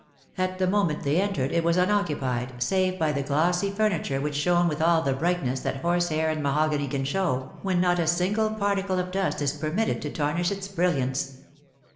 At the moment they entered, it was unoccupied, save by the glossy furniture which shone with all the brightness that horse hair and mahogany can show, when not a single particle of dust is permitted to tarnish its brilliance.